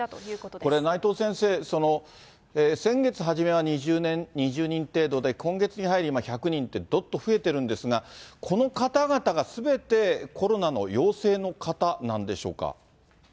これ、内藤先生、先月初めは２０人程度で、今月に入り１００人ってどっと増えてるんですが、この方々がすべて、コロナの陽性の方なんでしょうか。